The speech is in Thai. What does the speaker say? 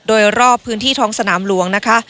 โดยรอบพื้นที่ท้องสนามหลวงนะคะ